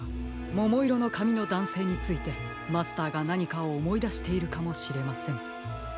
ももいろのかみのだんせいについてマスターがなにかおもいだしているかもしれません。